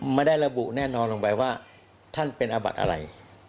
ไม่ได้ระบุแน่นอนลงไปว่าท่านเป็นอาบัติอะไร